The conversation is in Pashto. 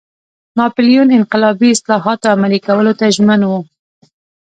ناپلیون انقلابي اصلاحاتو عملي کولو ته ژمن و.